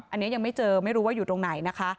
อันนี้ยังไม่เจอไม่รู้ว่าอยู่ตรงไหนนะคะ